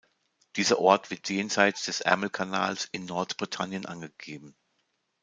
Dieser Ort wird jenseits des Ärmelkanals in Nord-Britannien angegeben.